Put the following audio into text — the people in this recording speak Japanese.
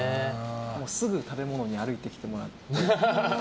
すぐ食べ物に歩いてきてもらって。